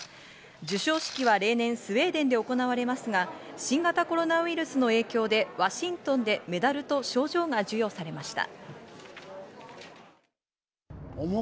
授賞式は例年、スウェーデンで行われますが、新型コロナウイルスの影響でワシントンでメダルと賞状が授与されました。